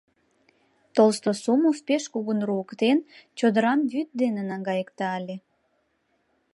Толстосумов, пеш кугун руыктен, чодырам вӱд дене наҥгайыкта ыле.